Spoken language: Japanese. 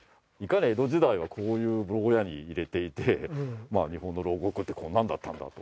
江戸時代はこういう牢屋に入れていて日本の牢獄ってこんなんだったんだと。